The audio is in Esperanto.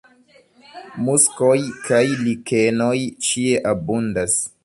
Muskoj kaj likenoj ĉie abundas.